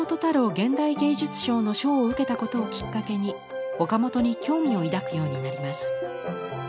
現代芸術賞の賞を受けたことをきっかけに岡本に興味を抱くようになります。